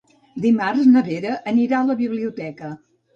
Dimarts na Vera anirà a la biblioteca.